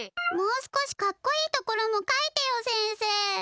もう少しかっこいいところも書いてよ先生。